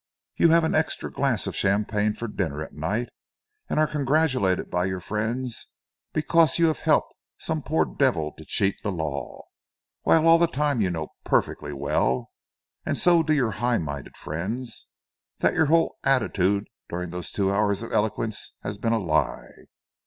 "You have an extra glass of champagne for dinner at night and are congratulated by your friends because you have helped some poor devil to cheat the law, while all the time you know perfectly well, and so do your high minded friends, that your whole attitude during those two hours of eloquence has been a lie.